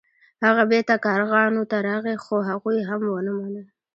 هغه بیرته کارغانو ته راغی خو هغوی هم ونه مانه.